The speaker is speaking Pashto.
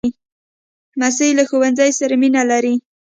لمسی له ښوونځي سره مینه لري.